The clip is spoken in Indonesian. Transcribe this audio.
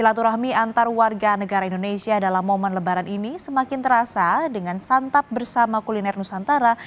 silaturahmi antar warga negara indonesia dalam momen lebaran ini semakin terasa dengan santap bersama kuliner nusantara